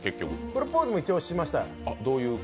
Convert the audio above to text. プロポーズも一応しました。